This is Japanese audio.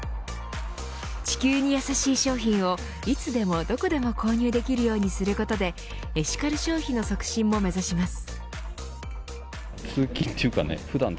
地球にやさしい商品をいつでもどこでも購入できるようにすることでエシカル消費の促進も目指します。